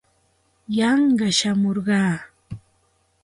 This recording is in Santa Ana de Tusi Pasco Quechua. Yanqa shamurqaa.